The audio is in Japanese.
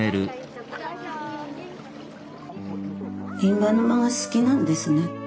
印旛沼が好きなんですね。